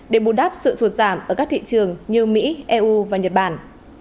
để bù đắp sự sụt giảm ở các thị trường như mỹ eu và nhật bản